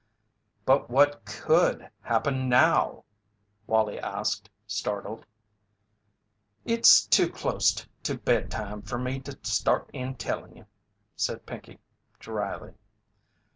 "But what could happen now?" Wallie asked, startled. "It's too clost to bed time fer me to start in tellin' you," said Pinkey, drily.